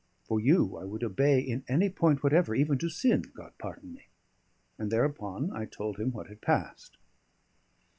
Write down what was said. For you I would obey in any point whatever, even to sin, God pardon me!" And thereupon I told him what had passed.